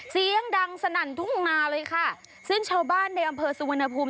เสียงดังสนั่นทุ่งนาเลยค่ะซึ่งชาวบ้านในอำเภอสุวรรณภูมิ